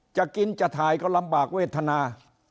จะกินจะถ่ายก็ลำบากเวทนา